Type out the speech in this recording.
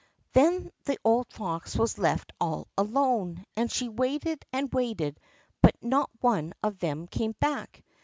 Then the old fox was left all alone, and she waited and waited, but not one of them came back.